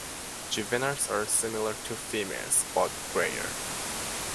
Juveniles are similar to females, but greyer.